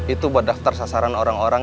itu buat daftar sasaran orang orang